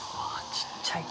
ちっちゃい。